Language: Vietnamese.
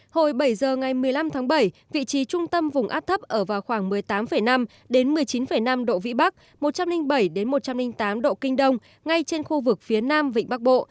hồi bảy giờ ngày một mươi năm tháng bảy vị trí trung tâm vùng áp thấp ở vào khoảng một mươi tám năm một mươi chín năm độ vĩ bắc một trăm linh bảy một trăm linh tám độ kinh đông ngay trên khu vực phía nam vịnh bắc bộ